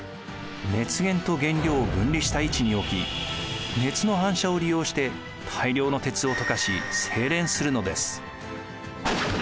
熱源と原料を分離した位置に置き熱の反射を利用して大量の鉄を溶かし精錬するのです。